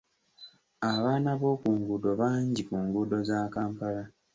Abaana b'oku nguudo bangi ku nguudo za Kampala.